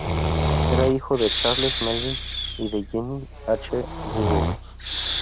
Era hijo de Charles Melvin y de Jennie H. Burrows.